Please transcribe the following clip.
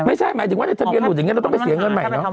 ไม่ใช่หมายถึงว่าในทะเบียนหลุดอย่างนี้เราต้องไปเสียเงินใหม่เนาะ